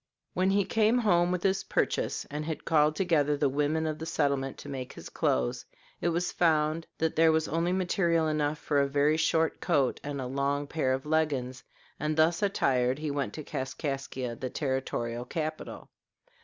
When he came home with his purchase and had called together the women of the settlement to make his clothes, it was found that there was only material enough for a very short coat and a long pair of leggins, and thus attired he went to Kaskaskia, the territorial capital.